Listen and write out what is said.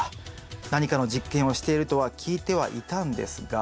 何かの実験をしているとは聞いてはいたんですが。